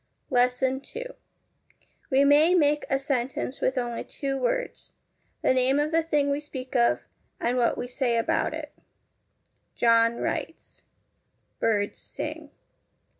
LESSON II We may make a sentence with only two words the name of the thing we speak of and what we say about it : John writes. Birds sing.